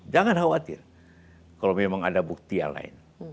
jangan khawatir kalau memang ada bukti yang lain